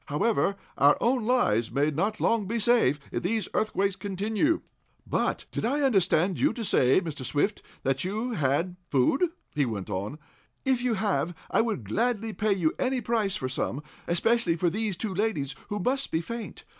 However, our own lives may not long be safe, if these earthquakes continue." "But did I understand you to say, Mr. Swift, that you had food?" he went on. "If you have, I will gladly pay you any price for some, especially for these two ladies, who must be faint.